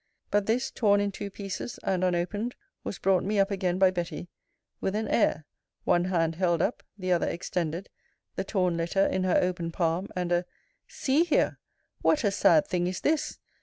But this, torn in two pieces, and unopened, was brought me up again by Betty, with an air, one hand held up, the other extended, the torn letter in her open palm; and a See here! What a sad thing is this!